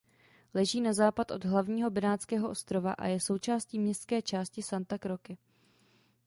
Leží na západ od hlavního benátského ostrova a je součástí městské části Santa Croce.